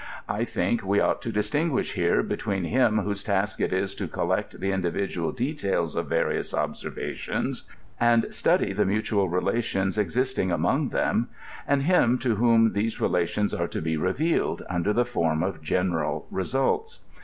I think we ought to distinguish here between him whose task it is to collect the individual details of 'various observations, and study the mutual relations existing among them, and him to whom these relations are to be revealed, under the form of general results.